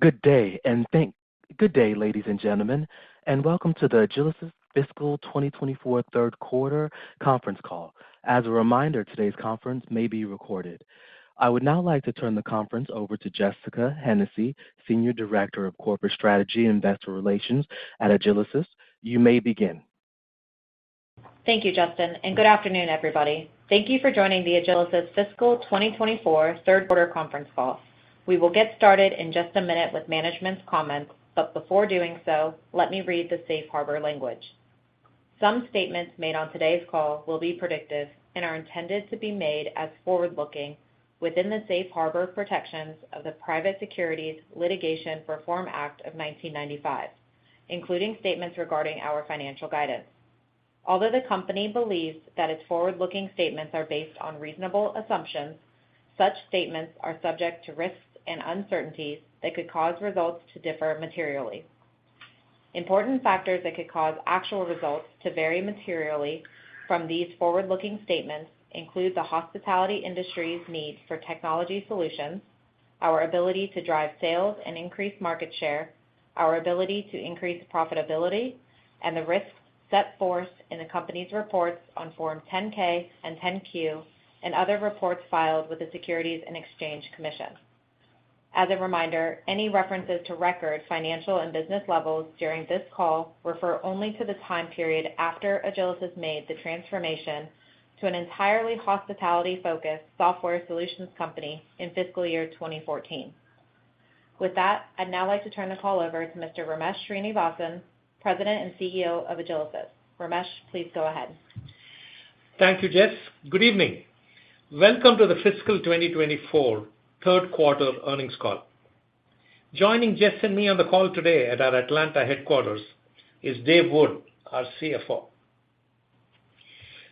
Good day, ladies and gentlemen, and welcome to the Agilysys Fiscal 2024 third quarter conference call. As a reminder, today's conference may be recorded. I would now like to turn the conference over to Jessica Hennessy, Senior Director of Corporate Strategy and Investor Relations at Agilysys. You may begin. Thank you, Justin, and good afternoon, everybody. Thank you for joining the Agilysys fiscal 2024 third quarter conference call. We will get started in just a minute with management's comments, but before doing so, let me read the safe harbor language. Some statements made on today's call will be predictive and are intended to be made as forward-looking within the safe harbor protections of the Private Securities Litigation Reform Act of 1995, including statements regarding our financial guidance. Although the company believes that its forward-looking statements are based on reasonable assumptions, such statements are subject to risks and uncertainties that could cause results to differ materially. Important factors that could cause actual results to vary materially from these forward-looking statements include the hospitality industry's need for technology solutions, our ability to drive sales and increase market share, our ability to increase profitability, and the risks set forth in the company's reports on Form 10-K and Form 10-Q, and other reports filed with the Securities and Exchange Commission. As a reminder, any references to record, financial, and business levels during this call refer only to the time period after Agilysys made the transformation to an entirely hospitality-focused software solutions company in fiscal year 2014. With that, I'd now like to turn the call over to Mr. Ramesh Srinivasan, President and CEO of Agilysys. Ramesh, please go ahead. Thank you, Jess. Good evening. Welcome to the fiscal 2024 third quarter earnings call. Joining Jess and me on the call today at our Atlanta headquarters is Dave Wood, our CFO.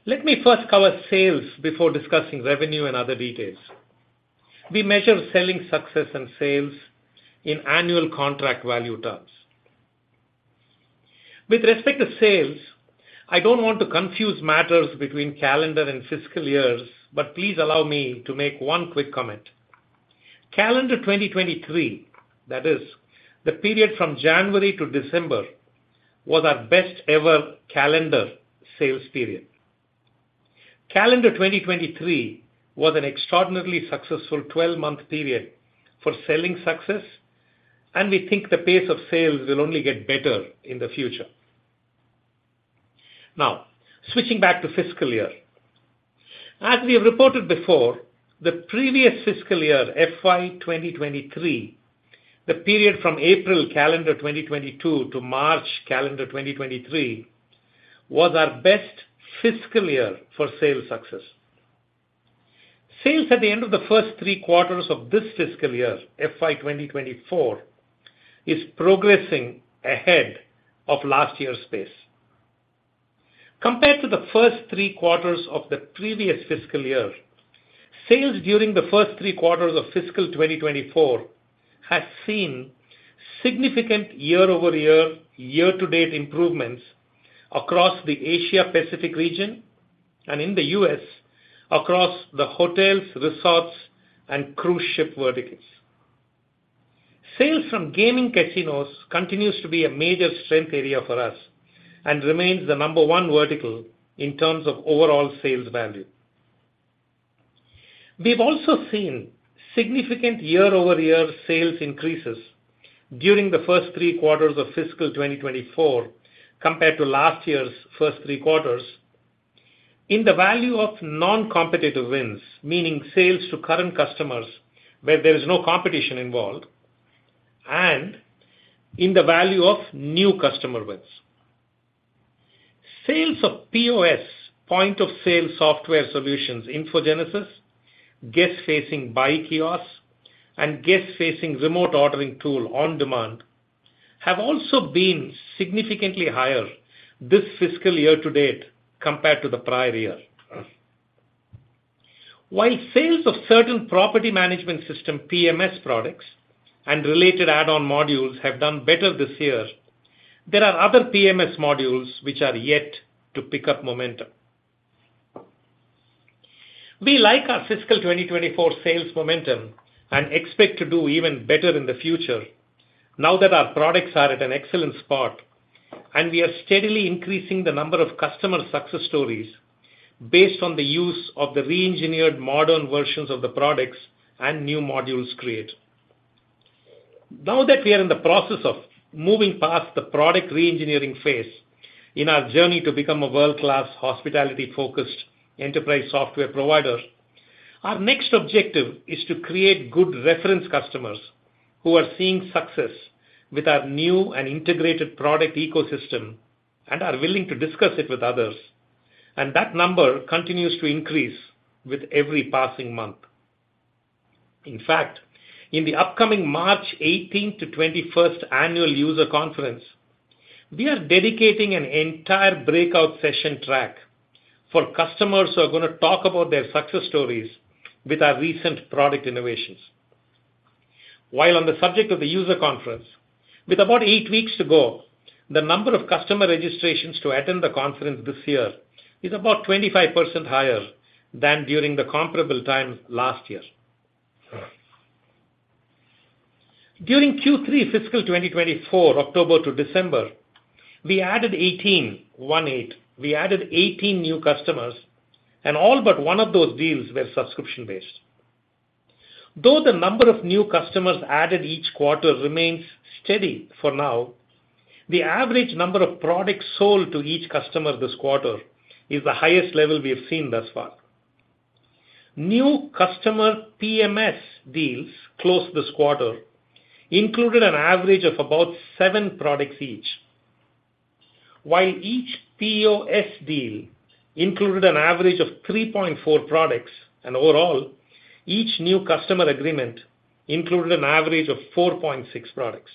Let me first cover sales before discussing revenue and other details. We measure selling success and sales in annual contract value terms. With respect to sales, I don't want to confuse matters between calendar and fiscal years, but please allow me to make one quick comment. Calendar 2023, that is, the period from January to December, was our best-ever calendar sales period. Calendar 2023 was an extraordinarily successful 12-month period for selling success, and we think the pace of sales will only get better in the future. Now, switching back to fiscal year. As we have reported before, the previous fiscal year, FY 2023, the period from April calendar 2022 to March calendar 2023, was our best fiscal year for sales success. Sales at the end of the first three quarters of this fiscal year, FY 2024, is progressing ahead of last year's pace. Compared to the first three quarters of the previous fiscal year, sales during the first three quarters of fiscal 2024 has seen significant year-over-year, year-to-date improvements across the Asia Pacific region and in the U.S. across the hotels, resorts, and cruise ship verticals. Sales from gaming casinos continues to be a major strength area for us and remains the number one vertical in terms of overall sales value. We've also seen significant year-over-year sales increases during the first three quarters of fiscal 2024, compared to last year's first three quarters, in the value of non-competitive wins, meaning sales to current customers, where there is no competition involved, and in the value of new customer wins. Sales of POS, point of sale, software solutions, InfoGenesis, guest-facing Buy kiosk, and guest-facing remote ordering tool OnDemand, have also been significantly higher this fiscal year to date compared to the prior year. While sales of certain property management system, PMS, products and related add-on modules have done better this year, there are other PMS modules which are yet to pick up momentum. We like our fiscal 2024 sales momentum and expect to do even better in the future now that our products are at an excellent spot and we are steadily increasing the number of customer success stories based on the use of the reengineered modern versions of the products and new modules created. Now that we are in the process of moving past the product reengineering phase in our journey to become a world-class, hospitality-focused enterprise software provider, our next objective is to create good reference customers who are seeing success with our new and integrated product ecosystem and are willing to discuss it with others. And that number continues to increase with every passing month. In fact, in the upcoming March 18-21 annual user conference, we are dedicating an entire breakout session track for customers who are gonna talk about their success stories with our recent product innovations. While on the subject of the user conference—... With about eight weeks to go, the number of customer registrations to attend the conference this year is about 25% higher than during the comparable time last year. During Q3 fiscal 2024, October to December, we added 18 new customers, and all but one of those deals were subscription-based. Though the number of new customers added each quarter remains steady for now, the average number of products sold to each customer this quarter is the highest level we have seen thus far. New customer PMS deals closed this quarter included an average of about seven products each, while each POS deal included an average of 3.4 products, and overall, each new customer agreement included an average of 4.6 products.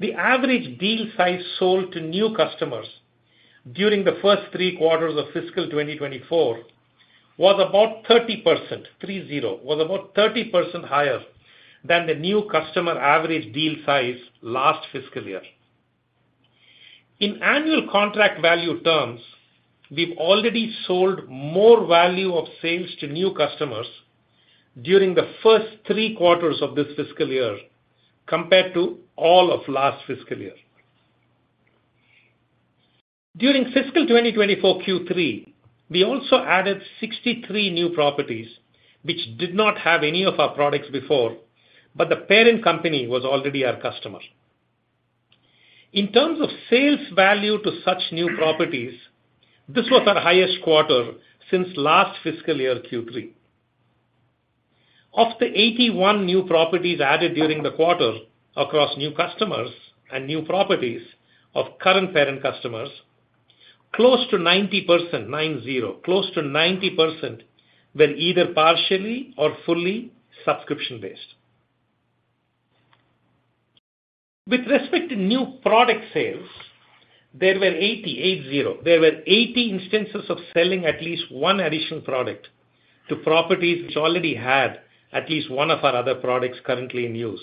The average deal size sold to new customers during the first three quarters of fiscal 2024 was about 30%, three, zero, was about 30% higher than the new customer average deal size last fiscal year. In annual contract value terms, we've already sold more value of sales to new customers during the first three quarters of this fiscal year compared to all of last fiscal year. During fiscal 2024 Q3, we also added 63 new properties, which did not have any of our products before, but the parent company was already our customer. In terms of sales value to such new properties, this was our highest quarter since last fiscal year Q3. Of the 81 new properties added during the quarter across new customers and new properties of current parent customers, close to 90%, nine, zero, close to 90% were either partially or fully subscription-based. With respect to new product sales, there were 80, eight, zero. There were 80 instances of selling at least one additional product to properties which already had at least one of our other products currently in use.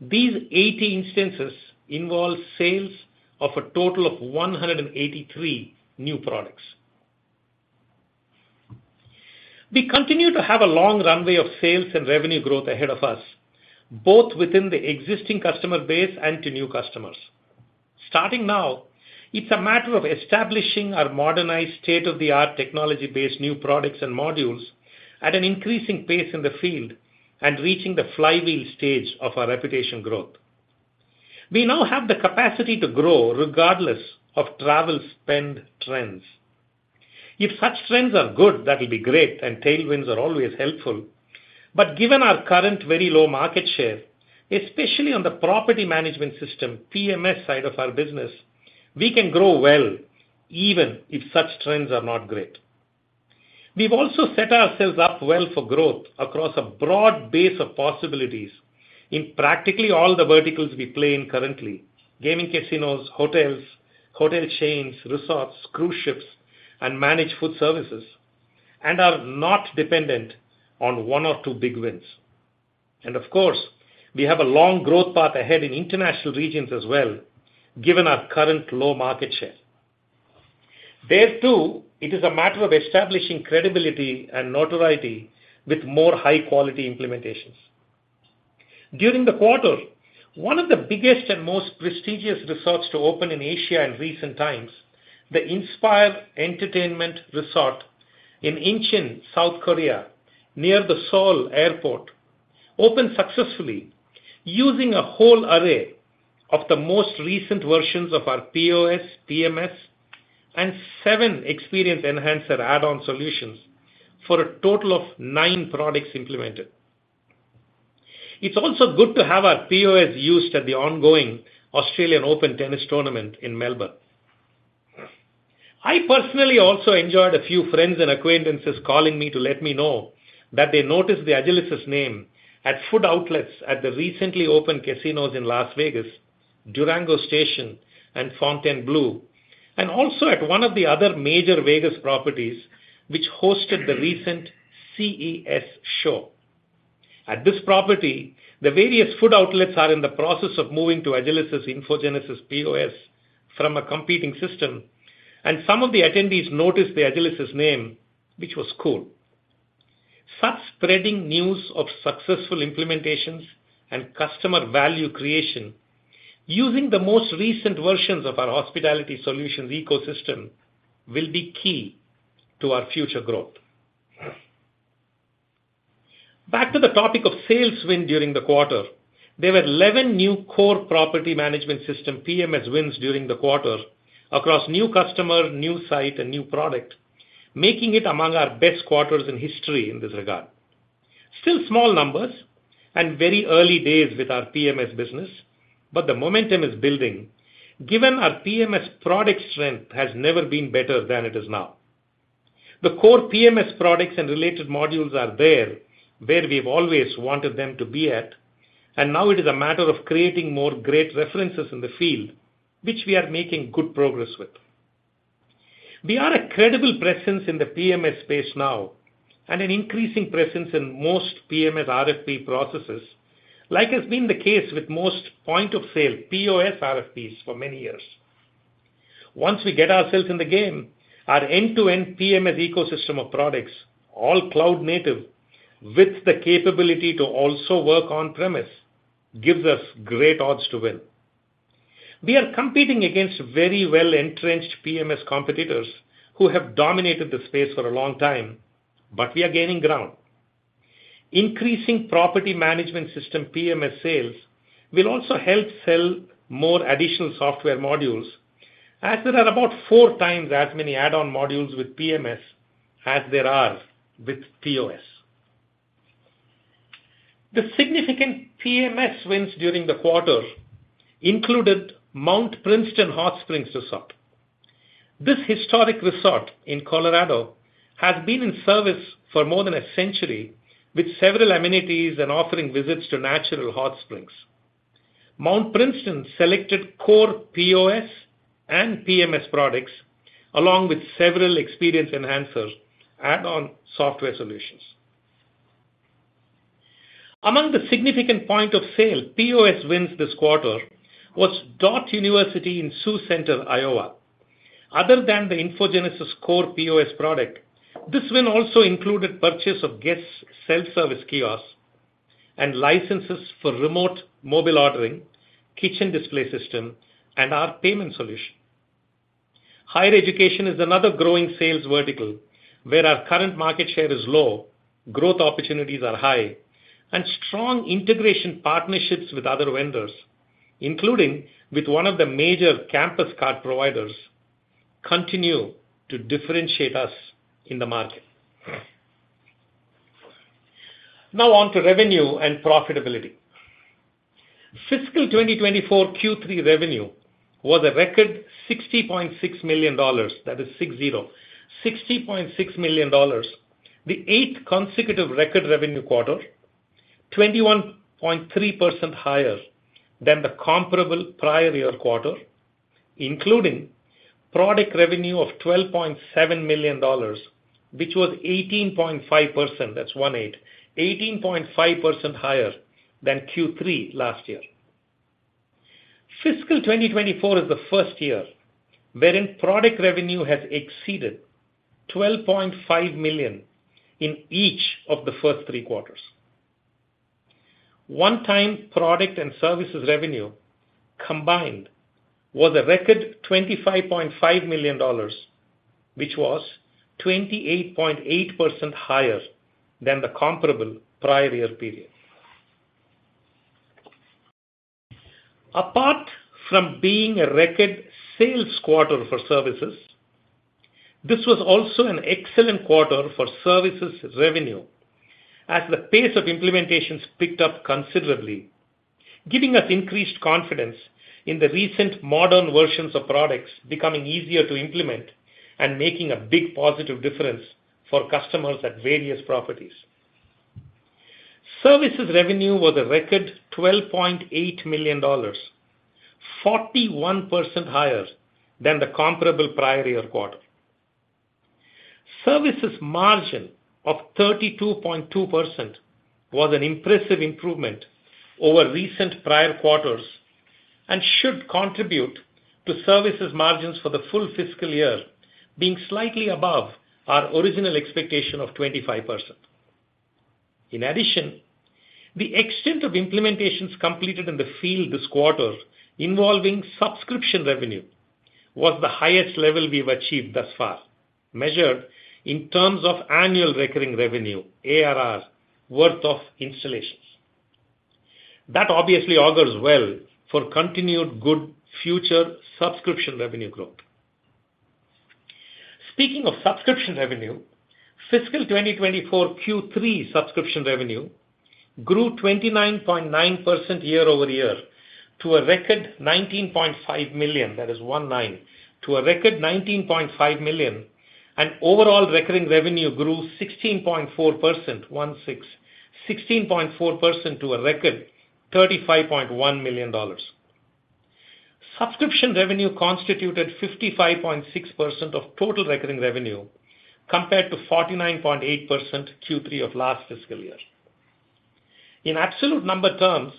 These 80 instances involve sales of a total of 183 new products. We continue to have a long runway of sales and revenue growth ahead of us, both within the existing customer base and to new customers. Starting now, it's a matter of establishing our modernized, state-of-the-art, technology-based new products and modules at an increasing pace in the field and reaching the flywheel stage of our reputation growth. We now have the capacity to grow regardless of travel spend trends. If such trends are good, that will be great, and tailwinds are always helpful. But given our current very low market share, especially on the property management system, PMS, side of our business, we can grow well even if such trends are not great. We've also set ourselves up well for growth across a broad base of possibilities in practically all the verticals we play in currently: gaming casinos, hotels, hotel chains, resorts, cruise ships, and managed food services, and are not dependent on one or two big wins. And of course, we have a long growth path ahead in international regions as well, given our current low market share. There, too, it is a matter of establishing credibility and notoriety with more high-quality implementations. During the quarter, one of the biggest and most prestigious resorts to open in Asia in recent times, the INSPIRE Entertainment Resort in Incheon, South Korea, near the Seoul Airport, opened successfully using a whole array of the most recent versions of our POS, PMS, and seven experience enhancer add-on solutions for a total of nine products implemented. It's also good to have our POS used at the ongoing Australian Open tennis tournament in Melbourne. I personally also enjoyed a few friends and acquaintances calling me to let me know that they noticed the Agilysys name at food outlets at the recently opened casinos in Las Vegas, Durango Station, and Fontainebleau, and also at one of the other major Vegas properties, which hosted the recent CES show. At this property, the various food outlets are in the process of moving to Agilysys' InfoGenesis POS from a competing system, and some of the attendees noticed the Agilysys' name, which was cool. Such spreading news of successful implementations and customer value creation using the most recent versions of our hospitality solutions ecosystem will be key to our future growth. Back to the topic of sales win during the quarter. There were 11 new core property management system, PMS, wins during the quarter across new customer, new site, and new product, making it among our best quarters in history in this regard. Still small numbers and very early days with our PMS business, but the momentum is building, given our PMS product strength has never been better than it is now. The core PMS products and related modules are there, where we've always wanted them to be at, and now it is a matter of creating more great references in the field, which we are making good progress with.... We are a credible presence in the PMS space now, and an increasing presence in most PMS RFP processes, like has been the case with most point of sale, POS RFPs for many years. Once we get ourselves in the game, our end-to-end PMS ecosystem of products, all cloud native, with the capability to also work on-premise, gives us great odds to win. We are competing against very well-entrenched PMS competitors who have dominated the space for a long time, but we are gaining ground. Increasing property management system, PMS sales, will also help sell more additional software modules, as there are about four times as many add-on modules with PMS as there are with POS. The significant PMS wins during the quarter included Mount Princeton Hot Springs Resort. This historic resort in Colorado has been in service for more than a century, with several amenities and offering visits to natural hot springs. Mount Princeton selected core POS and PMS products, along with several experience enhancers, add-on software solutions. Among the significant point of sale, POS wins this quarter, was Dordt University in Sioux Center, Iowa. Other than the InfoGenesis core POS product, this win also included purchase of guest self-service kiosks and licenses for remote mobile ordering, kitchen display system, and our payment solution. Higher education is another growing sales vertical, where our current market share is low, growth opportunities are high, and strong integration partnerships with other vendors, including with one of the major campus card providers, continue to differentiate us in the market. Now on to revenue and profitability. Fiscal 2024 Q3 revenue was a record $60.6 million, that is six, zero. $60.6 million, the eighth consecutive record revenue quarter, 21.3% higher than the comparable prior year quarter, including product revenue of $12.7 million, which was 18.5%, that's one, eight, 18.5% higher than Q3 last year. Fiscal 2024 is the first year wherein product revenue has exceeded $12.5 million in each of the first three quarters. One-time product and services revenue combined was a record $25.5 million, which was 28.8% higher than the comparable prior year period. Apart from being a record sales quarter for services, this was also an excellent quarter for services revenue, as the pace of implementations picked up considerably, giving us increased confidence in the recent modern versions of products becoming easier to implement and making a big positive difference for customers at various properties. Services revenue was a record $12.8 million, 41% higher than the comparable prior year quarter. Services margin of 32.2% was an impressive improvement over recent prior quarters and should contribute to services margins for the full fiscal year, being slightly above our original expectation of 25%. In addition, the extent of implementations completed in the field this quarter involving subscription revenue, was the highest level we've achieved thus far, measured in terms of annual recurring revenue, ARR, worth of installations. That obviously augurs well for continued good future subscription revenue growth. Speaking of subscription revenue, fiscal 2024 Q3 subscription revenue grew 29.9% year-over-year, to a record $19.5 million, that is one, nine, to a record $19.5 million, and overall recurring revenue grew 16.4%, one, six, 16.4% to a record $35.1 million. Subscription revenue constituted 55.6% of total recurring revenue, compared to 49.8% Q3 of last fiscal year. In absolute number terms,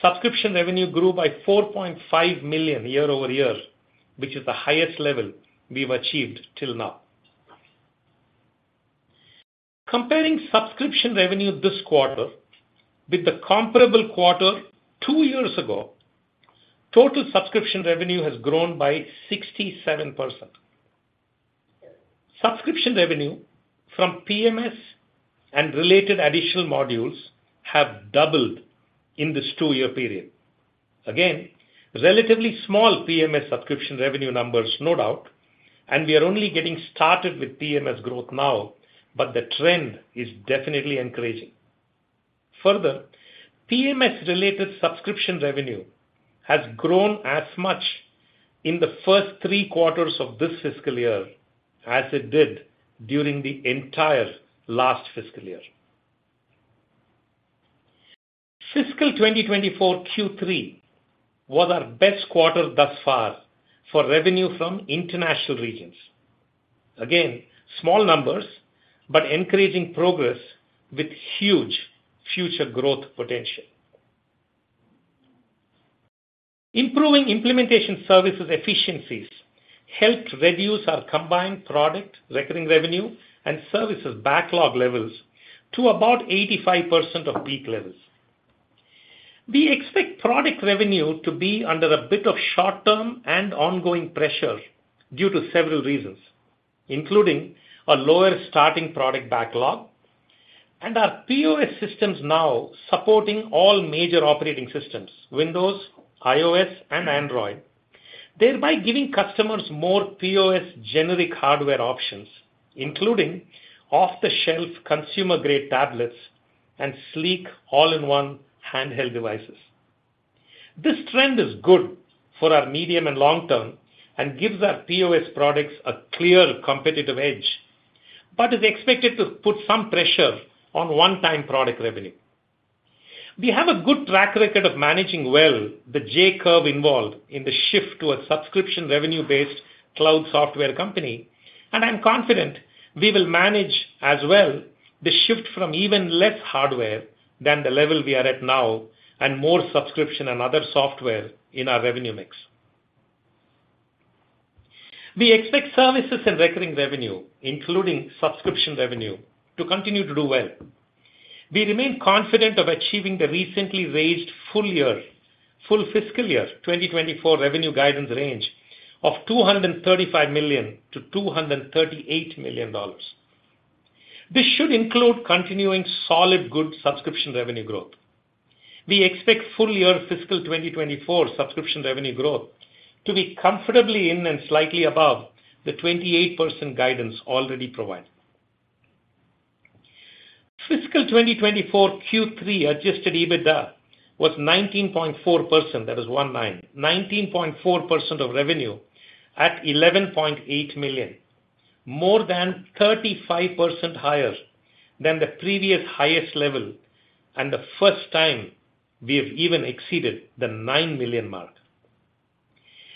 subscription revenue grew by $4.5 million year-over-year, which is the highest level we've achieved till now. Comparing subscription revenue this quarter with the comparable quarter two years ago, total subscription revenue has grown by 67%. Subscription revenue from PMS and related additional modules have doubled in this two-year period. Again, relatively small PMS subscription revenue numbers, no doubt, and we are only getting started with PMS growth now, but the trend is definitely encouraging. Further, PMS-related subscription revenue has grown as much in the first three quarters of this fiscal year as it did during the entire last fiscal year. Fiscal 2024 Q3 was our best quarter thus far for revenue from international regions. Again, small numbers, but encouraging progress with huge future growth potential. Improving implementation services efficiencies helped reduce our combined product, recurring revenue, and services backlog levels to about 85% of peak levels. We expect product revenue to be under a bit of short-term and ongoing pressure due to several reasons, including a lower starting product backlog and our POS systems now supporting all major operating systems, Windows, iOS, and Android, thereby giving customers more POS generic hardware options, including off-the-shelf consumer-grade tablets and sleek all-in-one handheld devices. This trend is good for our medium and long term and gives our POS products a clear competitive edge, but is expected to put some pressure on one-time product revenue. We have a good track record of managing well the J-curve involved in the shift to a subscription revenue-based cloud software company, and I'm confident we will manage as well the shift from even less hardware than the level we are at now, and more subscription and other software in our revenue mix. We expect services and recurring revenue, including subscription revenue, to continue to do well. We remain confident of achieving the recently raised full year- full fiscal year 2024 revenue guidance range of $235 million-$238 million. This should include continuing solid, good subscription revenue growth. We expect full year fiscal 2024 subscription revenue growth to be comfortably in and slightly above the 28% guidance already provided. Fiscal 2024 Q3 Adjusted EBITDA was 19.4%, that is one, nine, 19.4% of revenue at $11.8 million, more than 35% higher than the previous highest level, and the first time we have even exceeded the $9 million mark.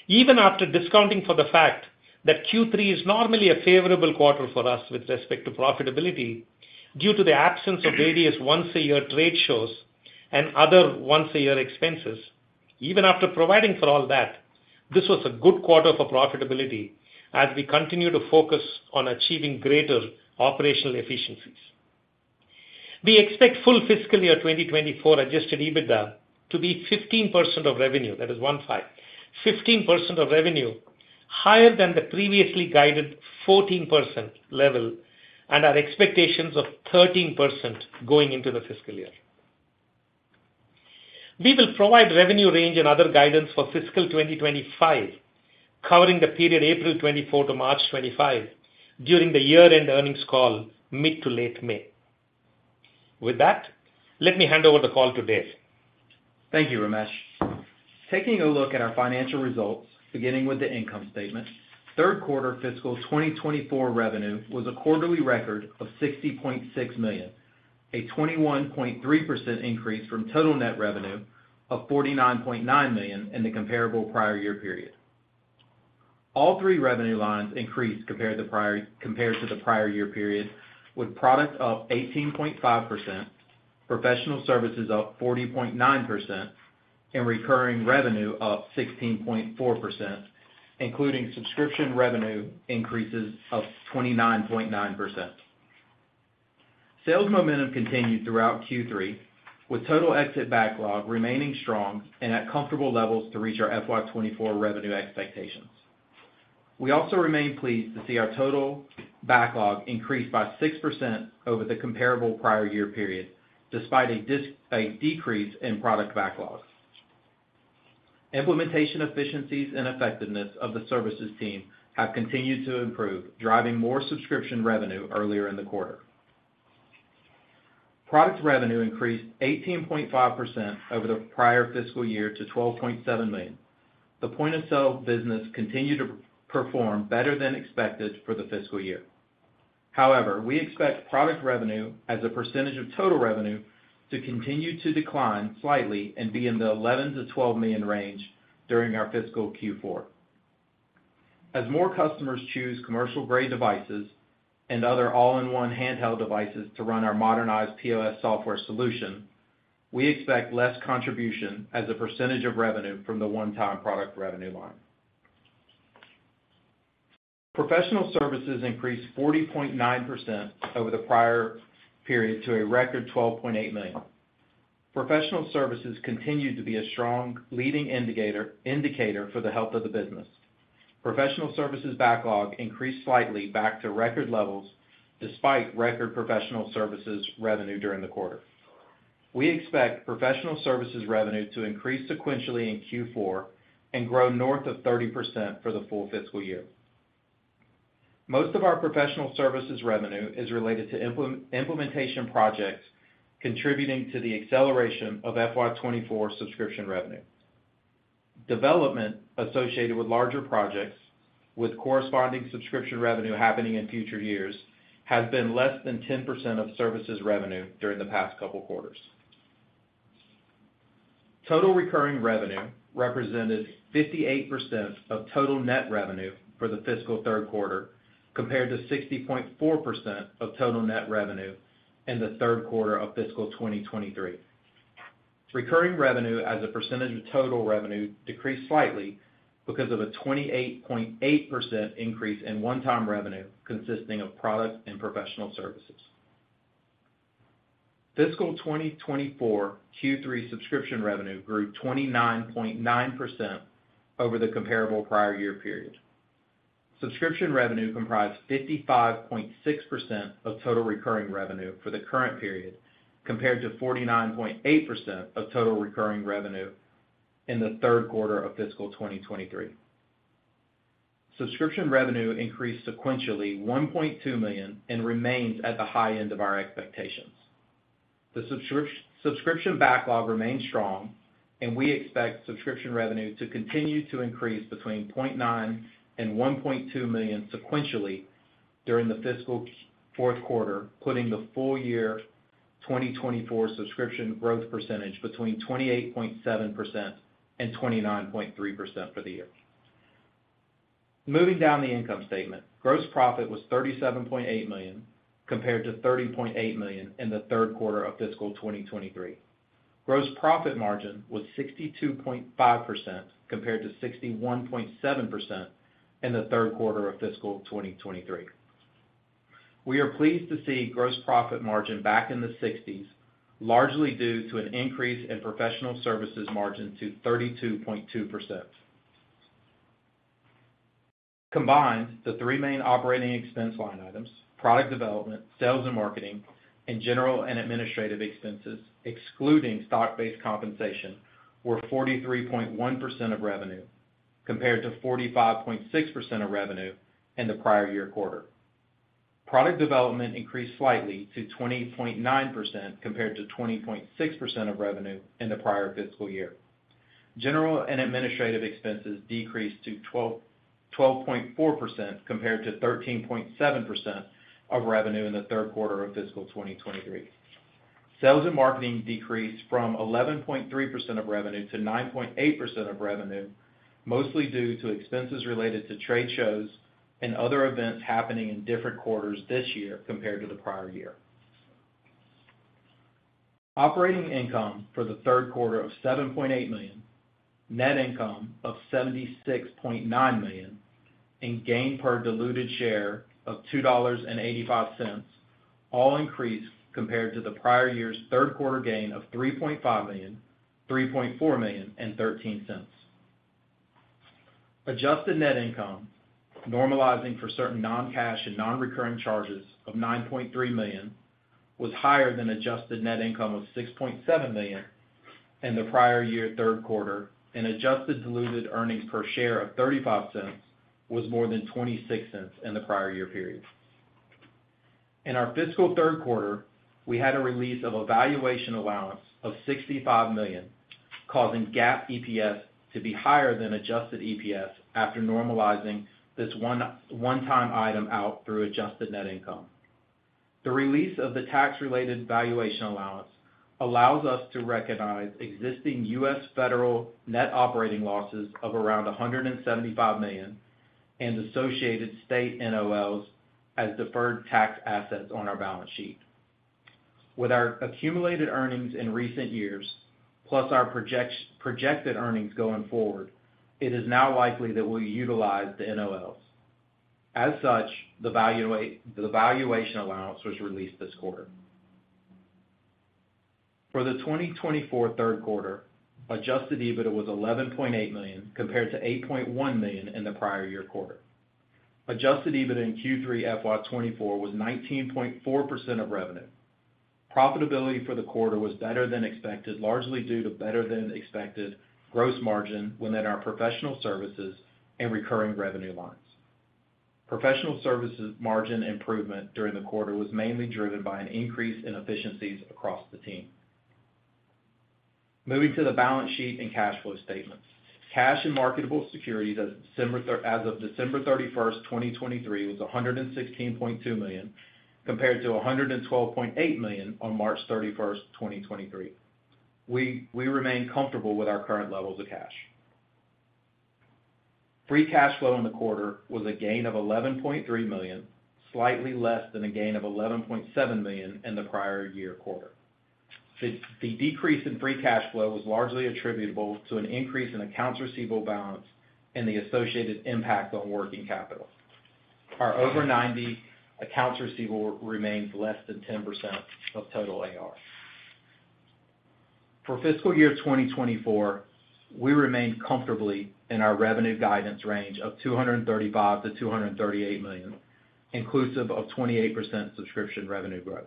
Even after discounting for the fact that Q3 is normally a favorable quarter for us with respect to profitability, due to the absence of various once-a-year trade shows and other once-a-year expenses, even after providing for all that, this was a good quarter for profitability as we continue to focus on achieving greater operational efficiencies. We expect full fiscal year 2024 Adjusted EBITDA to be 15% of revenue. That is one, five. 15% of revenue, higher than the previously guided 14% level and our expectations of 13% going into the fiscal year. We will provide revenue range and other guidance for fiscal 2025, covering the period April 2024 to March 2025, during the year-end earnings call, mid to late May. With that, let me hand over the call to Dave. Thank you, Ramesh. Taking a look at our financial results, beginning with the income statement, third quarter fiscal 2024 revenue was a quarterly record of $60.6 million, a 21.3% increase from total net revenue of $49.9 million in the comparable prior year period. All three revenue lines increased compared to the prior, compared to the prior year period, with product up 18.5%, professional services up 40.9%, and recurring revenue up 16.4%, including subscription revenue increases of 29.9%. Sales momentum continued throughout Q3, with total exit backlog remaining strong and at comfortable levels to reach our FY 2024 revenue expectations. We also remain pleased to see our total backlog increase by 6% over the comparable prior year period, despite a decrease in product backlogs. Implementation efficiencies and effectiveness of the services team have continued to improve, driving more subscription revenue earlier in the quarter. Product revenue increased 18.5% over the prior fiscal year to $12.7 million. The point-of-sale business continued to perform better than expected for the fiscal year. However, we expect product revenue as a percentage of total revenue to continue to decline slightly and be in the $11 million-$12 million range during our fiscal Q4. As more customers choose commercial-grade devices and other all-in-one handheld devices to run our modernized POS software solution, we expect less contribution as a percentage of revenue from the one-time product revenue line. Professional services increased 40.9% over the prior period to a record $12.8 million. Professional services continued to be a strong leading indicator for the health of the business. Professional services backlog increased slightly back to record levels, despite record professional services revenue during the quarter. We expect professional services revenue to increase sequentially in Q4 and grow north of 30% for the full fiscal year. Most of our professional services revenue is related to implementation projects, contributing to the acceleration of FY 2024 subscription revenue. Development associated with larger projects, with corresponding subscription revenue happening in future years, has been less than 10% of services revenue during the past couple of quarters. Total recurring revenue represented 58% of total net revenue for the fiscal third quarter, compared to 60.4% of total net revenue in the third quarter of fiscal 2023. Recurring revenue as a percentage of total revenue decreased slightly because of a 28.8% increase in one-time revenue, consisting of product and professional services. Fiscal 2024 Q3 subscription revenue grew 29.9% over the comparable prior year period. Subscription revenue comprised 55.6% of total recurring revenue for the current period, compared to 49.8% of total recurring revenue in the third quarter of fiscal 2023. Subscription revenue increased sequentially, $1.2 million, and remains at the high end of our expectations. The subscription backlog remains strong, and we expect subscription revenue to continue to increase between $0.9 million and $1.2 million sequentially during the fiscal fourth quarter, putting the full year 2024 subscription growth percentage between 28.7% and 29.3% for the year. Moving down the income statement. Gross profit was $37.8 million, compared to $30.8 million in the third quarter of fiscal 2023. Gross profit margin was 62.5%, compared to 61.7% in the third quarter of fiscal 2023. We are pleased to see gross profit margin back in the 60s, largely due to an increase in professional services margin to 32.2%. Combined, the three main operating expense line items, product development, sales and marketing, and general and administrative expenses, excluding stock-based compensation, were 43.1% of revenue, compared to 45.6% of revenue in the prior year quarter. Product development increased slightly to 20.9%, compared to 20.6% of revenue in the prior fiscal year. General and administrative expenses decreased to 12.4% compared to 13.7% of revenue in the third quarter of fiscal 2023. Sales and marketing decreased from 11.3% of revenue to 9.8% of revenue, mostly due to expenses related to trade shows and other events happening in different quarters this year compared to the prior year. Operating income for the third quarter of $7.8 million, net income of $76.9 million, and gain per diluted share of $2.85, all increased compared to the prior year's third quarter gain of $3.5 million, $3.4 million and $0.13. Adjusted net income, normalizing for certain non-cash and non-recurring charges of $9.3 million, was higher than adjusted net income of $6.7 million in the prior year third quarter, and adjusted diluted earnings per share of $0.35 was more than $0.26 in the prior year period. In our fiscal third quarter, we had a release of a valuation allowance of $65 million, causing GAAP EPS to be higher than adjusted EPS after normalizing this one, one-time item out through adjusted net income. The release of the tax-related valuation allowance allows us to recognize existing U.S. federal net operating losses of around $175 million and associated state NOLs as deferred tax assets on our balance sheet. With our accumulated earnings in recent years, plus our projected earnings going forward, it is now likely that we'll utilize the NOLs. As such, the valuation, the valuation allowance was released this quarter. For the 2024 third quarter, Adjusted EBITDA was $11.8 million, compared to $8.1 million in the prior year quarter. Adjusted EBITDA in Q3 FY 2024 was 19.4% of revenue. Profitability for the quarter was better than expected, largely due to better than expected gross margin within our professional services and recurring revenue lines. Professional services margin improvement during the quarter was mainly driven by an increase in efficiencies across the team. Moving to the balance sheet and cash flow statements. Cash and marketable securities as of December 31, 2023, was $116.2 million, compared to $112.8 million on March 31, 2023. We remain comfortable with our current levels of cash. Free cash flow in the quarter was a gain of $11.3 million, slightly less than a gain of $11.7 million in the prior year quarter. The decrease in free cash flow was largely attributable to an increase in accounts receivable balance and the associated impact on working capital. Our over 90 accounts receivable remains less than 10% of total AR. For fiscal year 2024, we remain comfortably in our revenue guidance range of $235 million-$238 million, inclusive of 28% subscription revenue growth.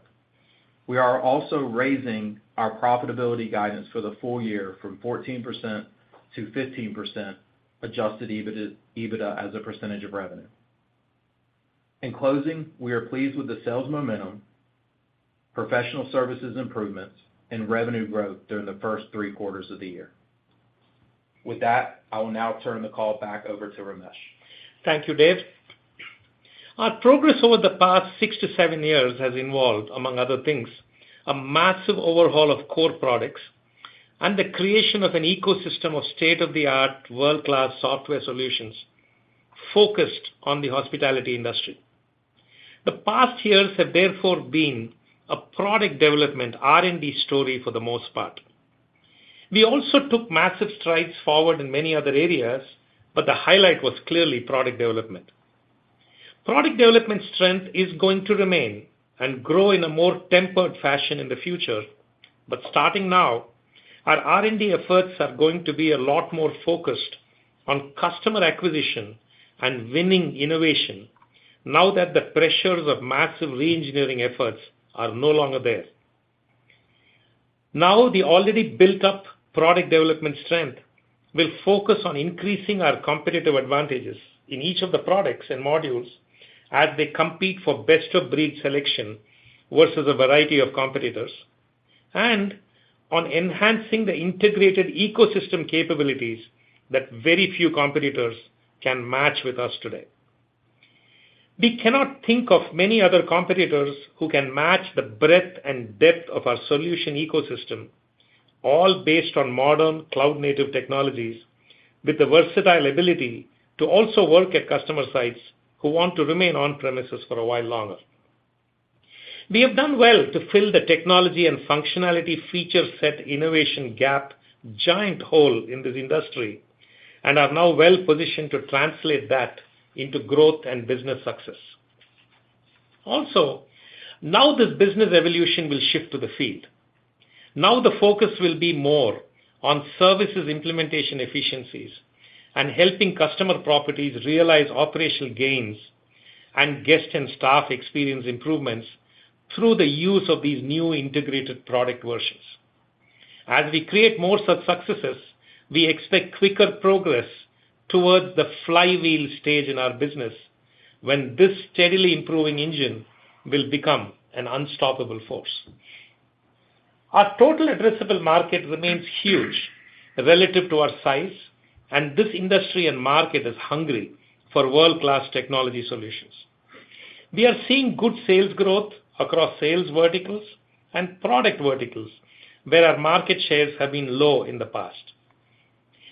We are also raising our profitability guidance for the full year from 14% to 15% Adjusted EBITDA as a percentage of revenue. In closing, we are pleased with the sales momentum, professional services improvements, and revenue growth during the first three quarters of the year. With that, I will now turn the call back over to Ramesh. Thank you, Dave. Our progress over the past six to seven years has involved, among other things, a massive overhaul of core products and the creation of an ecosystem of state-of-the-art, world-class software solutions focused on the hospitality industry. The past years have therefore been a product development R&D story for the most part. We also took massive strides forward in many other areas, but the highlight was clearly product development. Product development strength is going to remain and grow in a more tempered fashion in the future, but starting now, our R&D efforts are going to be a lot more focused on customer acquisition and winning innovation, now that the pressures of massive reengineering efforts are no longer there. Now, the already built-up product development strength will focus on increasing our competitive advantages in each of the products and modules as they compete for best-of-breed selection versus a variety of competitors, and on enhancing the integrated ecosystem capabilities that very few competitors can match with us today. We cannot think of many other competitors who can match the breadth and depth of our solution ecosystem, all based on modern cloud-native technologies, with the versatile ability to also work at customer sites who want to remain on premises for a while longer. We have done well to fill the technology and functionality feature set innovation gap, giant hole in this industry, and are now well positioned to translate that into growth and business success. Also, now this business evolution will shift to the field. Now the focus will be more on services implementation efficiencies and helping customer properties realize operational gains and guest and staff experience improvements through the use of these new integrated product versions. As we create more such successes, we expect quicker progress towards the flywheel stage in our business, when this steadily improving engine will become an unstoppable force. Our total addressable market remains huge relative to our size, and this industry and market is hungry for world-class technology solutions. We are seeing good sales growth across sales verticals and product verticals, where our market shares have been low in the past.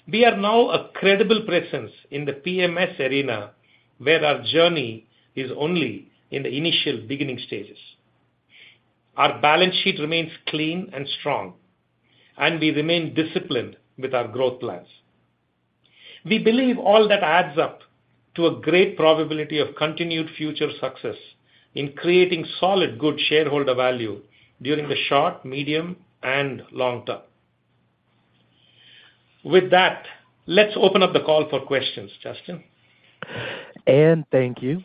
We are now a credible presence in the PMS arena, where our journey is only in the initial beginning stages. Our balance sheet remains clean and strong, and we remain disciplined with our growth plans. We believe all that adds up to a great probability of continued future success in creating solid, good shareholder value during the short, medium, and long term. With that, let's open up the call for questions. Justin? Thank you.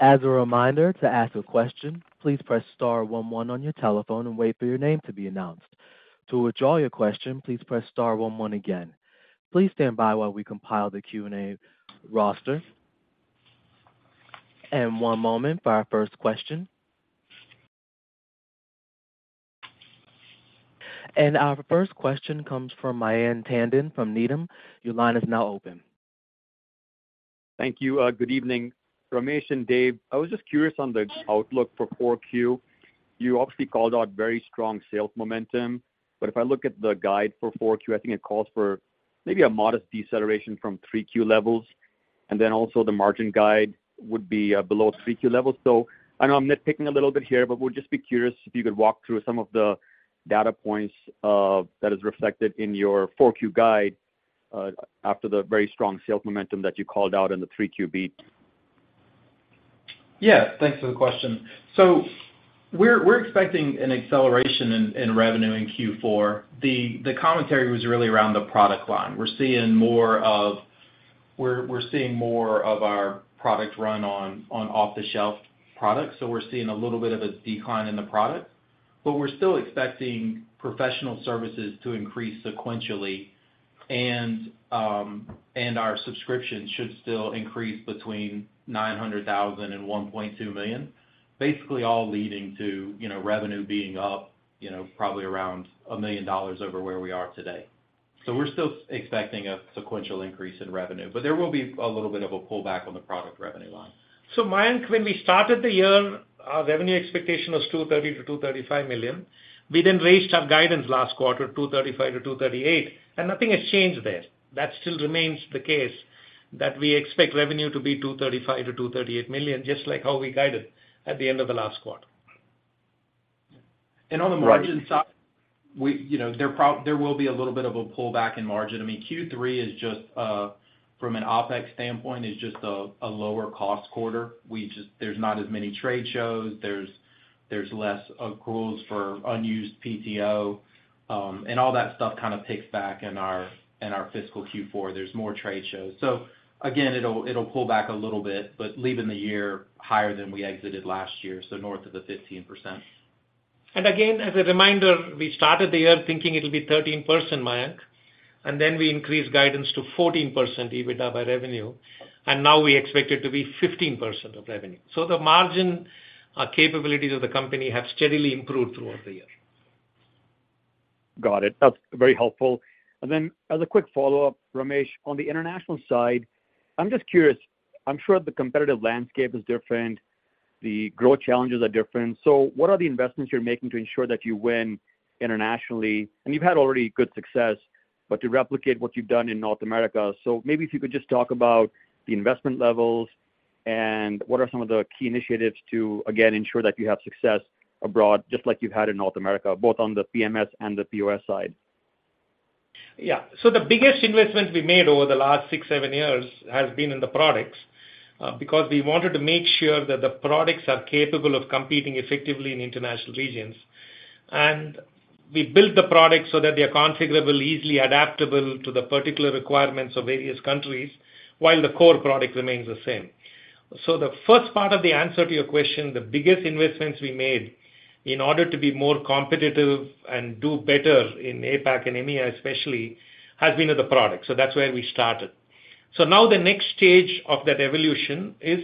As a reminder, to ask a question, please press star one, one on your telephone and wait for your name to be announced. To withdraw your question, please press star one, one again. Please stand by while we compile the Q&A roster. One moment for our first question. Our first question comes from Mayank Tandon from Needham. Your line is now open. Thank you. Good evening, Ramesh and Dave. I was just curious on the outlook for 4Q. You obviously called out very strong sales momentum, but if I look at the guide for 4Q, I think it calls for maybe a modest deceleration from 3Q levels, and then also the margin guide would be below 3Q levels. So I know I'm nitpicking a little bit here, but would just be curious if you could walk through some of the data points that is reflected in your 4Q guide after the very strong sales momentum that you called out in the 3Q beat. Yeah, thanks for the question. So we're expecting an acceleration in revenue in Q4. The commentary was really around the product line. We're seeing more of our product run on off-the-shelf products, so we're seeing a little bit of a decline in the product. But we're still expecting professional services to increase sequentially, and our subscription should still increase between $900,000 and $1.2 million, basically all leading to, you know, revenue being up, you know, probably around $1 million over where we are today. So we're still expecting a sequential increase in revenue, but there will be a little bit of a pullback on the product revenue line. Mayank, when we started the year, our revenue expectation was $230 million-$235 million. We then raised our guidance last quarter, $235 million-$238 million, and nothing has changed there. That still remains the case, that we expect revenue to be $235 million-$238 million, just like how we guided at the end of the last quarter. And on the margin side, you know, there will be a little bit of a pullback in margin. I mean, Q3 is just, from an OpEx standpoint, a lower cost quarter. There's not as many trade shows, there's less accruals for unused PTO, and all that stuff kind of takes back in our fiscal Q4. There's more trade shows. So again, it'll pull back a little bit, but leaving the year higher than we exited last year, so north of the 15%.... And again, as a reminder, we started the year thinking it'll be 13%, Mayank, and then we increased guidance to 14% EBITDA by revenue, and now we expect it to be 15% of revenue. So the margin capabilities of the company have steadily improved throughout the year. Got it. That's very helpful. And then as a quick follow-up, Ramesh, on the international side, I'm just curious. I'm sure the competitive landscape is different, the growth challenges are different. So what are the investments you're making to ensure that you win internationally? And you've had already good success, but to replicate what you've done in North America. So maybe if you could just talk about the investment levels and what are some of the key initiatives to, again, ensure that you have success abroad, just like you've had in North America, both on the PMS and the POS side. Yeah. So the biggest investment we made over the last six to seven years has been in the products, because we wanted to make sure that the products are capable of competing effectively in international regions. And we built the products so that they are configurable, easily adaptable to the particular requirements of various countries, while the core product remains the same. So the first part of the answer to your question, the biggest investments we made in order to be more competitive and do better in APAC and EMEA, especially, has been in the product. So that's where we started. So now the next stage of that evolution is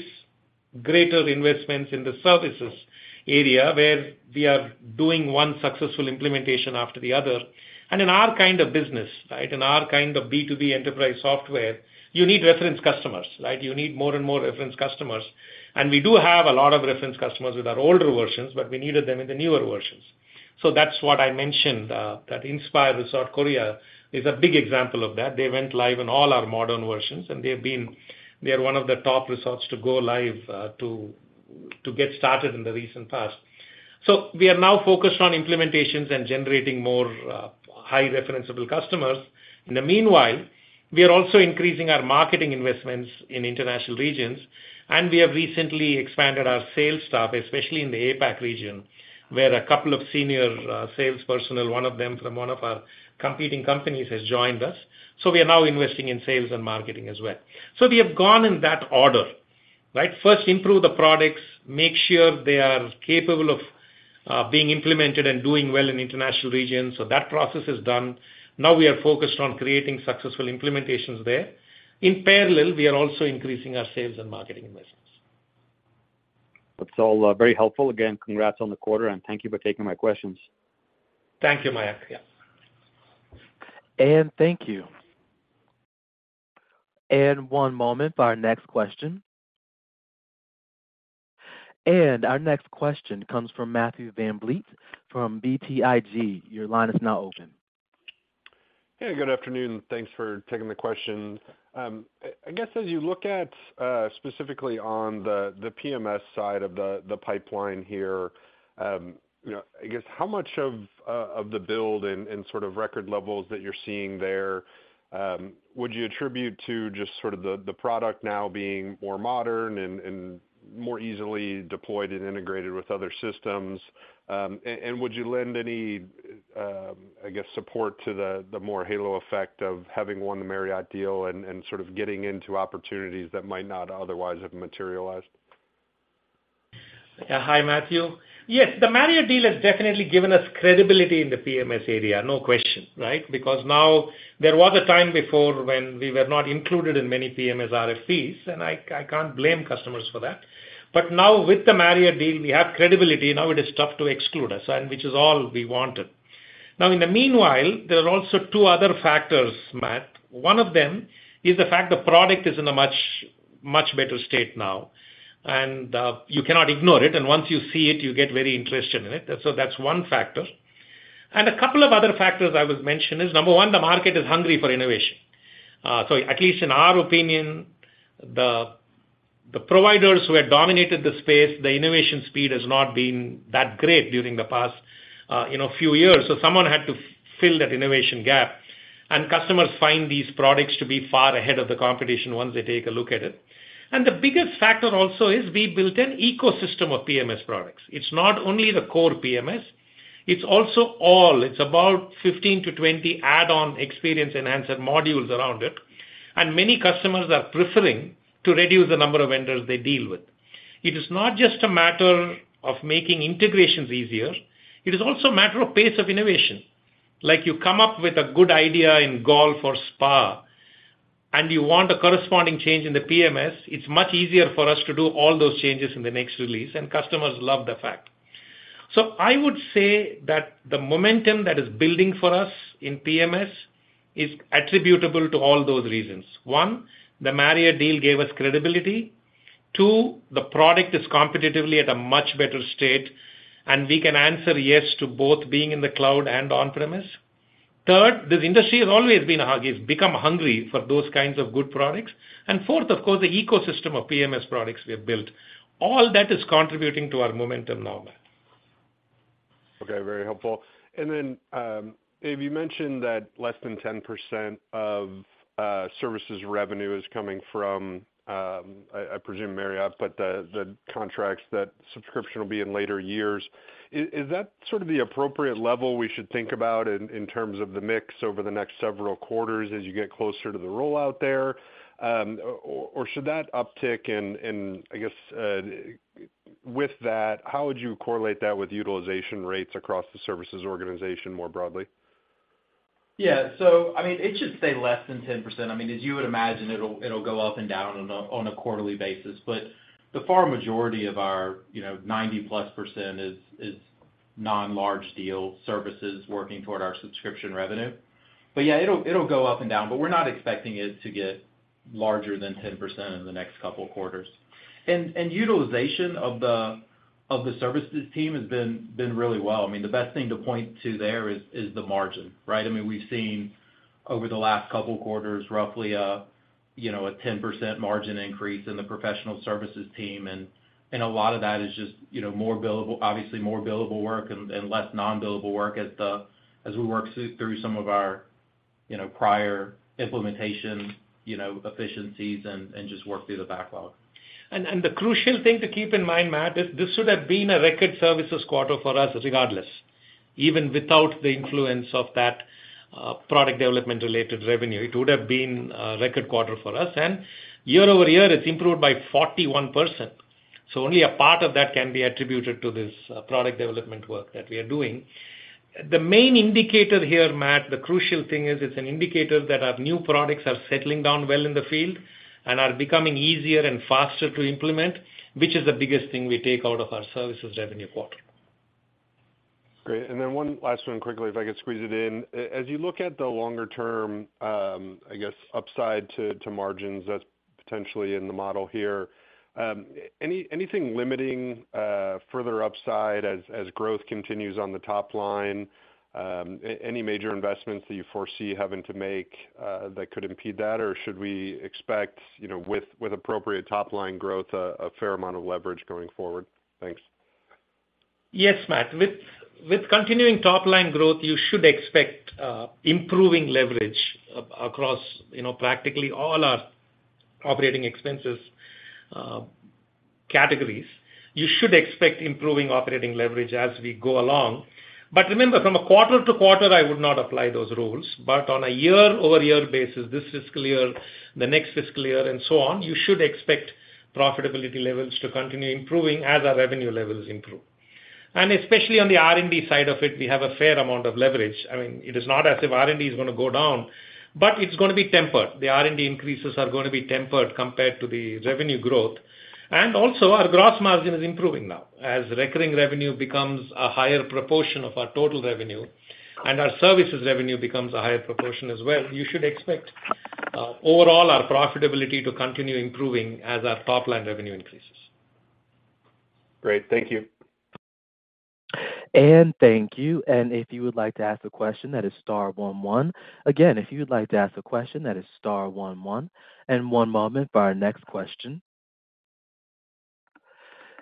greater investments in the services area, where we are doing one successful implementation after the other. And in our kind of business, right, in our kind of B2B enterprise software, you need reference customers, right? You need more and more reference customers. We do have a lot of reference customers with our older versions, but we needed them in the newer versions. That's what I mentioned, that INSPIRE Resort Korea is a big example of that. They went live in all our modern versions, and they are one of the top resorts to go live to get started in the recent past. So we are now focused on implementations and generating more high referenceable customers. In the meanwhile, we are also increasing our marketing investments in international regions, and we have recently expanded our sales staff, especially in the APAC region, where a couple of senior sales personnel, one of them from one of our competing companies, has joined us. So we are now investing in sales and marketing as well. So we have gone in that order, right? First, improve the products, make sure they are capable of being implemented and doing well in international regions. So that process is done. Now we are focused on creating successful implementations there. In parallel, we are also increasing our sales and marketing investments. That's all, very helpful. Again, congrats on the quarter, and thank you for taking my questions. Thank you, Mayank. Yeah. Thank you. One moment for our next question. Our next question comes from Matthew VanVliet, from BTIG. Your line is now open. Hey, good afternoon. Thanks for taking the question. I guess as you look at, specifically on the PMS side of the pipeline here, you know, I guess how much of the build and sort of record levels that you're seeing there, would you attribute to just sort of the product now being more modern and more easily deployed and integrated with other systems? And would you lend any, I guess, support to the more halo effect of having won the Marriott deal and sort of getting into opportunities that might not otherwise have materialized? Yeah. Hi, Matthew. Yes, the Marriott deal has definitely given us credibility in the PMS area, no question, right? Because now there was a time before when we were not included in many PMS RFPs, and I, I can't blame customers for that. But now with the Marriott deal, we have credibility. Now it is tough to exclude us, and which is all we wanted. Now, in the meanwhile, there are also two other factors, Matt. One of them is the fact the product is in a much, much better state now, and you cannot ignore it, and once you see it, you get very interested in it. So that's one factor. And a couple of other factors I would mention is, number one, the market is hungry for innovation. So at least in our opinion, the providers who have dominated the space, the innovation speed has not been that great during the past, you know, few years. So someone had to fill that innovation gap, and customers find these products to be far ahead of the competition once they take a look at it. And the biggest factor also is we built an ecosystem of PMS products. It's not only the core PMS, it's also all. It's about 15-20 add-on experience enhancer modules around it, and many customers are preferring to reduce the number of vendors they deal with. It is not just a matter of making integrations easier, it is also a matter of pace of innovation. Like, you come up with a good idea in golf or spa, and you want a corresponding change in the PMS, it's much easier for us to do all those changes in the next release, and customers love the fact. So I would say that the momentum that is building for us in PMS is attributable to all those reasons. One, the Marriott deal gave us credibility. Two, the product is competitively at a much better state, and we can answer yes to both being in the cloud and on-premise. Third, this industry has always been hungry, become hungry for those kinds of good products. And fourth, of course, the ecosystem of PMS products we have built. All that is contributing to our momentum now. Okay. Very helpful. And then, you mentioned that less than 10% of services revenue is coming from, I presume Marriott, but the contracts that subscription will be in later years. Is that sort of the appropriate level we should think about in terms of the mix over the next several quarters as you get closer to the rollout there? Or should that uptick in—I guess, with that, how would you correlate that with utilization rates across the services organization more broadly? ... Yeah. So, I mean, it should stay less than 10%. I mean, as you would imagine, it'll, it'll go up and down on a, on a quarterly basis. But the far majority of our, you know, 90%+ is, is non-large deal services working toward our subscription revenue. But yeah, it'll, it'll go up and down, but we're not expecting it to get larger than 10% in the next couple of quarters. And, and utilization of the, of the services team has been, been really well. I mean, the best thing to point to there is, is the margin, right? I mean, we've seen over the last couple of quarters, roughly a, you know, a 10% margin increase in the professional services team, and, and a lot of that is just, you know, more billable, obviously, more billable work and, and less non-billable work as the, as we work through, through some of our, you know, prior implementation, you know, efficiencies and, and just work through the backlog. And the crucial thing to keep in mind, Matt, is this would have been a record services quarter for us regardless, even without the influence of that, product development-related revenue. It would have been a record quarter for us, and year-over-year, it's improved by 41%. So only a part of that can be attributed to this, product development work that we are doing. The main indicator here, Matt, the crucial thing is it's an indicator that our new products are settling down well in the field and are becoming easier and faster to implement, which is the biggest thing we take out of our services revenue quarter. Great. And then one last one quickly, if I could squeeze it in. As you look at the longer term, I guess, upside to margins that's potentially in the model here, anything limiting further upside as growth continues on the top line? Any major investments that you foresee having to make that could impede that? Or should we expect, you know, with appropriate top-line growth, a fair amount of leverage going forward? Thanks. Yes, Matt. With continuing top-line growth, you should expect improving leverage across, you know, practically all our operating expenses categories. You should expect improving operating leverage as we go along. But remember, from a quarter-to-quarter, I would not apply those rules, but on a year-over-year basis, this fiscal year, the next fiscal year, and so on, you should expect profitability levels to continue improving as our revenue levels improve. And especially on the R&D side of it, we have a fair amount of leverage. I mean, it is not as if R&D is gonna go down, but it's gonna be tempered. The R&D increases are gonna be tempered compared to the revenue growth. And also, our gross margin is improving now. As recurring revenue becomes a higher proportion of our total revenue and our services revenue becomes a higher proportion as well, you should expect, overall, our profitability to continue improving as our top-line revenue increases. Great. Thank you. Thank you. If you would like to ask a question, that is star one one. Again, if you would like to ask a question, that is star one one, and one moment for our next question.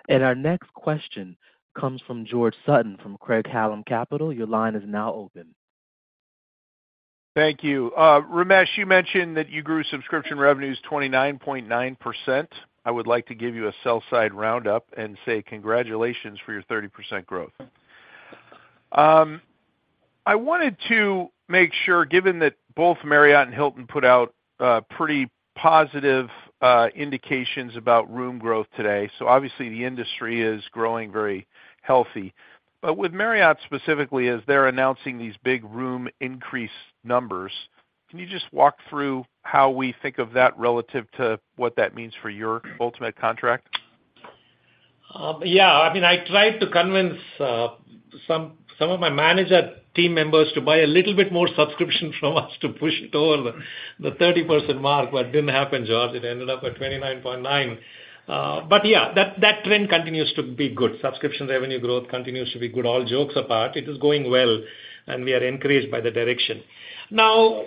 Our next question comes from George Sutton from Craig-Hallum Capital. Your line is now open. Thank you. Ramesh, you mentioned that you grew subscription revenues 29.9%. I would like to give you a sell-side roundup and say congratulations for your 30% growth. I wanted to make sure, given that both Marriott and Hilton put out, pretty positive, indications about room growth today, so obviously, the industry is growing very healthy. But with Marriott specifically, as they're announcing these big room increase numbers, can you just walk through how we think of that relative to what that means for your ultimate contract? Yeah. I mean, I tried to convince some of my manager team members to buy a little bit more subscription from us to push it over the 30% mark, but it didn't happen, George. It ended up at 29.9. But yeah, that trend continues to be good. Subscription revenue growth continues to be good. All jokes apart, it is going well, and we are encouraged by the direction. Now,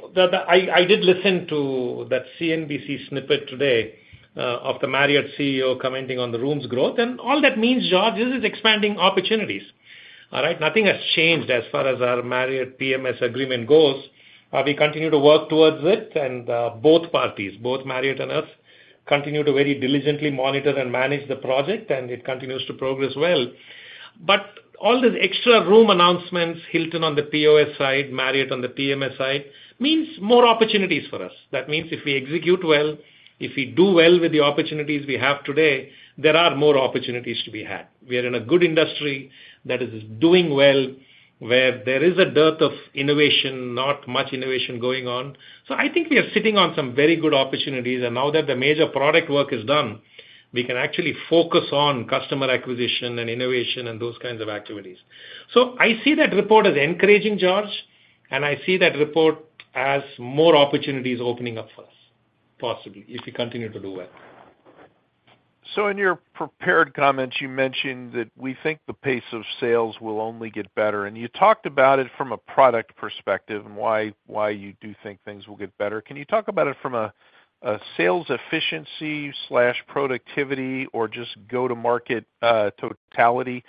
I did listen to that CNBC snippet today of the Marriott CEO commenting on the rooms growth, and all that means, George, is it's expanding opportunities. All right? Nothing has changed as far as our Marriott PMS agreement goes. We continue to work towards it, and both parties, both Marriott and us, continue to very diligently monitor and manage the project, and it continues to progress well. But all the extra room announcements, Hilton on the POS side, Marriott on the PMS side, means more opportunities for us. That means if we execute well, if we do well with the opportunities we have today, there are more opportunities to be had. We are in a good industry that is doing well, where there is a dearth of innovation, not much innovation going on. So I think we are sitting on some very good opportunities, and now that the major product work is done, we can actually focus on customer acquisition and innovation and those kinds of activities. So I see that report as encouraging, George, and I see that report as more opportunities opening up for us, possibly, if we continue to do well. So in your prepared comments, you mentioned that we think the pace of sales will only get better, and you talked about it from a product perspective and why, why you do think things will get better. Can you talk about it from a, a sales efficiency/productivity or just go-to-market, totality?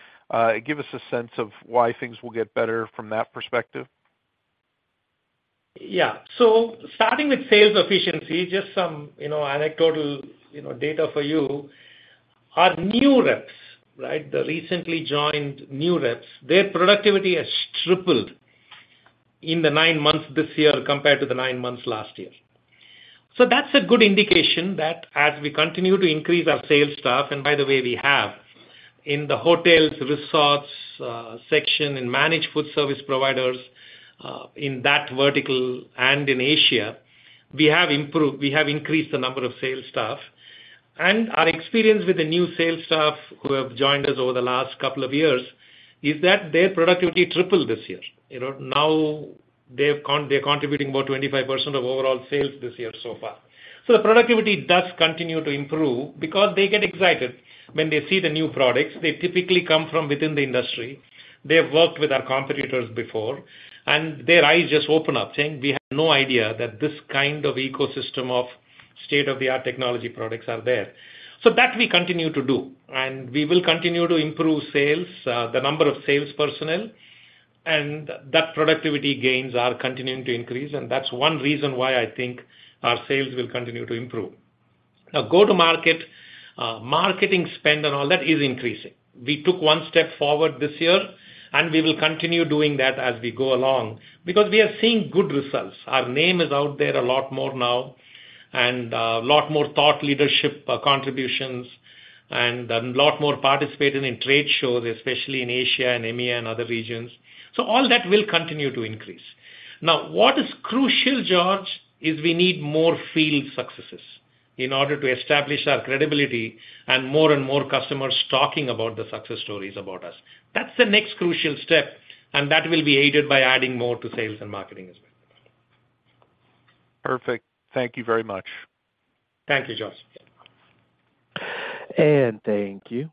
Give us a sense of why things will get better from that perspective. Yeah. So starting with sales efficiency, just some, you know, anecdotal, you know, data for you. Our new reps, right, the recently joined new reps, their productivity has tripled in the nine months this year compared to the nine months last year. So that's a good indication that as we continue to increase our sales staff, and by the way, we have, in the hotels, resorts, section, in managed food service providers, in that vertical and in Asia, we have increased the number of sales staff. And our experience with the new sales staff who have joined us over the last couple of years, is that their productivity tripled this year. You know, now they're contributing about 25% of overall sales this year so far. So the productivity does continue to improve because they get excited when they see the new products. They typically come from within the industry. They have worked with our competitors before, and their eyes just open up, saying, "We had no idea that this kind of ecosystem of state-of-the-art technology products are there." So that we continue to do, and we will continue to improve sales, the number of sales personnel, and that productivity gains are continuing to increase, and that's one reason why I think our sales will continue to improve. Now, go-to-market, marketing spend and all that is increasing. We took one step forward this year, and we will continue doing that as we go along, because we are seeing good results. Our name is out there a lot more now, and, a lot more thought leadership contributions, and a lot more participating in trade shows, especially in Asia and EMEA and other regions. So all that will continue to increase. Now, what is crucial, George, is we need more field successes in order to establish our credibility and more and more customers talking about the success stories about us. That's the next crucial step, and that will be aided by adding more to sales and marketing as well. Perfect. Thank you very much. Thank you, George. Thank you.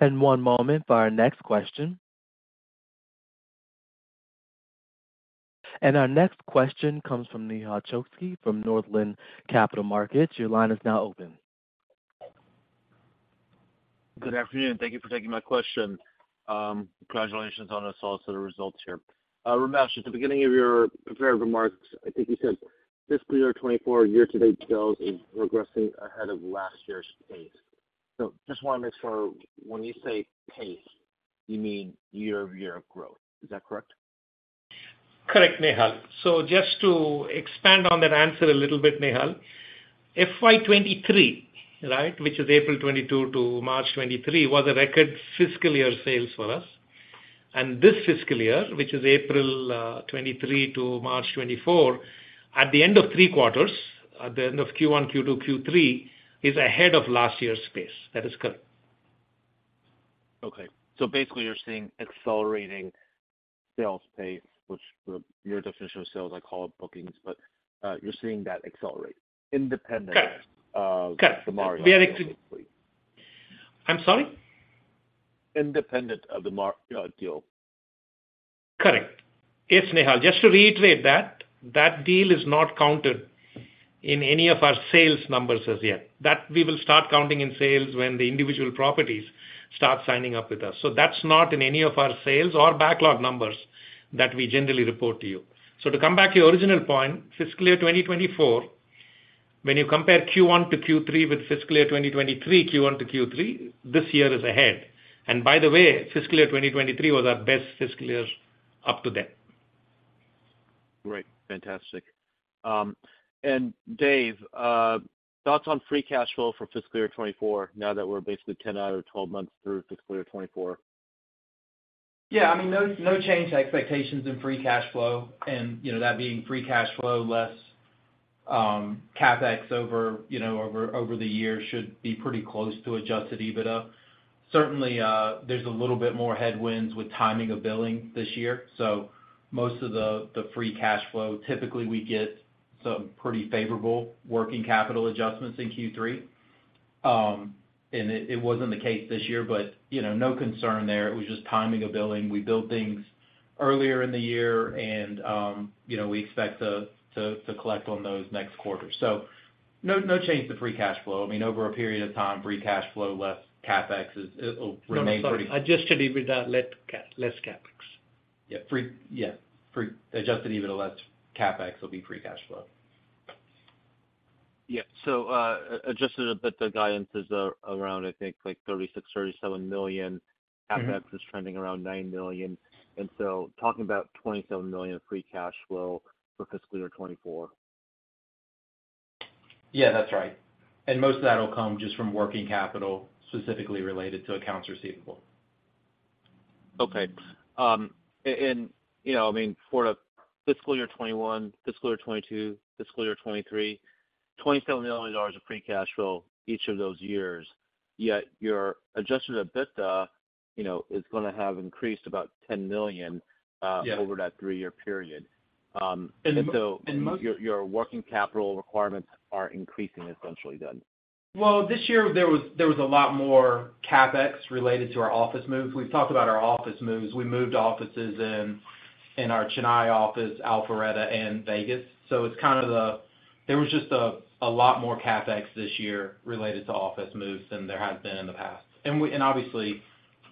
One moment for our next question. Our next question comes from Nehal Chokshi, from Northland Capital Markets. Your line is now open. Good afternoon. Thank you for taking my question. Congratulations on us, also, the results here. Ramesh, at the beginning of your prepared remarks, I think you said, "Fiscal year 2024 year-to-date sales is progressing ahead of last year's pace." So just wanna make sure, when you say pace, you mean year-over-year of growth. Is that correct? Correct, Nehal. So just to expand on that answer a little bit, Nehal. FY 2023, right, which is April 2022 to March 2023, was a record fiscal year sales for us. And this fiscal year, which is April 2023 to March 2024, at the end of three quarters, at the end of Q1, Q2, Q3, is ahead of last year's pace. That is correct. Okay. So basically, you're seeing accelerating sales pace, which your definition of sales, I call it bookings, but, you're seeing that accelerate independent- Correct. -of the Marriott deal. I'm sorry? Independent of the Marriott deal. Correct. Yes, Nehal, just to reiterate that, that deal is not counted in any of our sales numbers as yet. That we will start counting in sales when the individual properties start signing up with us. So that's not in any of our sales or backlog numbers that we generally report to you. So to come back to your original point, fiscal year 2024, when you compare Q1 to Q3 with fiscal year 2023, Q1 to Q3, this year is ahead. And by the way, fiscal year 2023 was our best fiscal year up to date. Great, fantastic. And Dave, thoughts on free cash flow for fiscal year 2024, now that we're basically 10 out of 12 months through fiscal year 2024? Yeah, I mean, no, no change to expectations in free cash flow, and, you know, that being free cash flow less CapEx over, you know, over the year should be pretty close to Adjusted EBITDA. Certainly, there's a little bit more headwinds with timing of billing this year, so most of the free cash flow, typically we get some pretty favorable working capital adjustments in Q3. And it wasn't the case this year, but, you know, no concern there. It was just timing of billing. We billed things earlier in the year, and, you know, we expect to collect on those next quarter. So no, no change to free cash flow. I mean, over a period of time, free cash flow less CapEx is, it'll remain pretty- No, sorry. Adjusted EBITDA, less CapEx. Adjusted EBITDA, less CapEx, will be free cash flow. Yeah. So, Adjusted EBITDA, the guidance is around, I think, like $36 million-$37 million. Mm-hmm. CapEx is trending around $9 million, and so talking about $27 million of free cash flow for fiscal year 2024. Yeah, that's right. Most of that will come just from working capital, specifically related to accounts receivable. Okay. And, you know, I mean, for the fiscal year 2021, fiscal year 2022, fiscal year 2023, $27 million of free cash flow each of those years, yet your Adjusted EBITDA, you know, is gonna have increased about $10 million- Yeah... over that three-year period. And so- And most- your working capital requirements are increasing essentially then. Well, this year there was a lot more CapEx related to our office moves. We've talked about our office moves. We moved offices in our Chennai office, Alpharetta, and Vegas. So it's kind of the, there was just a lot more CapEx this year related to office moves than there has been in the past. And obviously,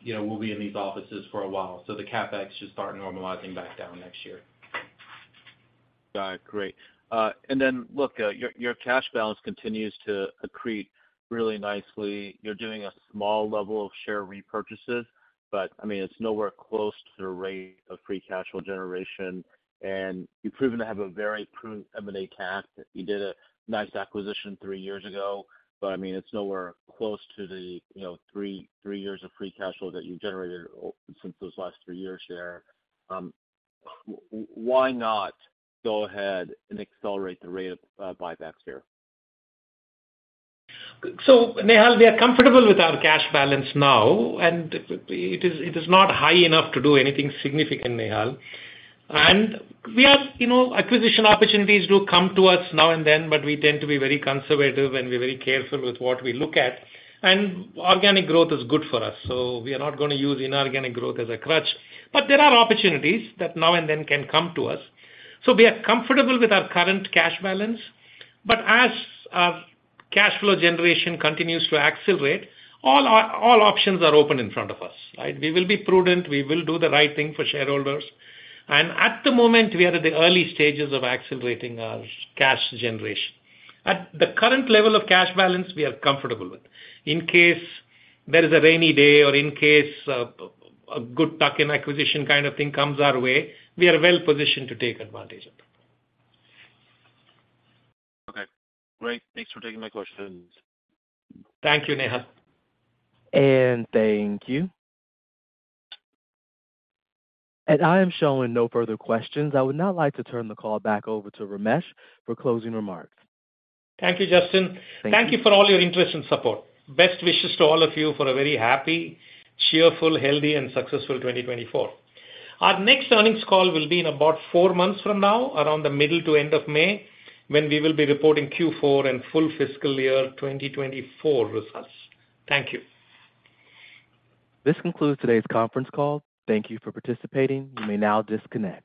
you know, we'll be in these offices for a while, so the CapEx should start normalizing back down next year. Got it. Great. And then, look, your cash balance continues to accrete really nicely. You're doing a small level of share repurchases. But I mean, it's nowhere close to the rate of free cash flow generation, and you've proven to have a very prudent M&A CAC. You did a nice acquisition three years ago, but, I mean, it's nowhere close to the, you know, three, three years of free cash flow that you've generated since those last three years share. Why not go ahead and accelerate the rate of buybacks here? So Nehal, we are comfortable with our cash balance now, and it is, it is not high enough to do anything significant, Nehal. We have, you know, acquisition opportunities do come to us now and then, but we tend to be very conservative, and we're very careful with what we look at. Organic growth is good for us, so we are not gonna use inorganic growth as a crutch. But there are opportunities that now and then can come to us. So we are comfortable with our current cash balance, but as our cash flow generation continues to accelerate, all options are open in front of us, right? We will be prudent, we will do the right thing for shareholders, and at the moment, we are at the early stages of accelerating our cash generation. At the current level of cash balance, we are comfortable with. In case there is a rainy day or in case a good tuck-in acquisition kind of thing comes our way, we are well positioned to take advantage of it. Okay, great. Thanks for taking my questions. Thank you, Nehal. Thank you. I am showing no further questions. I would now like to turn the call back over to Ramesh for closing remarks. Thank you, Justin. Thank you. Thank you for all your interest and support. Best wishes to all of you for a very happy, cheerful, healthy and successful 2024. Our next earnings call will be in about four months from now, around the middle to end of May, when we will be reporting Q4 and full fiscal year 2024 results. Thank you. This concludes today's conference call. Thank you for participating. You may now disconnect.